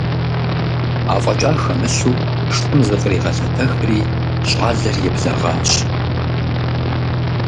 АфӀэкӀа хэмылъу шым зыкъригъэлъэтэхри, щӀалэр еблэгъащ.